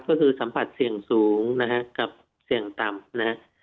ก็คือสัมผัสเสี่ยงสูงนะฮะกับเสี่ยงต่ำนะฮะ